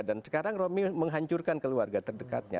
dan sekarang romi menghancurkan keluarga terdekatnya